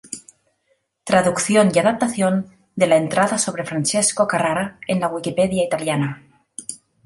Traducción y adaptación de la entrada sobre Francesco Carrara en la wikipedia italiana.